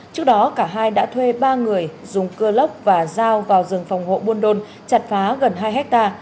trước đó cả hai đã thuê ba người dùng cưa lốc và dao vào rừng phòng hộ buôn đôn chặt phá gần hai hectare